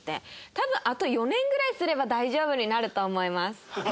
多分あと４年ぐらいすれば大丈夫になると思います。